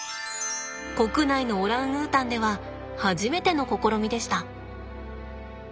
国内のオランウータンでは初めての試みでした。